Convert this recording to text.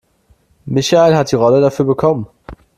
Michael hat die Rolle dafür bekommen.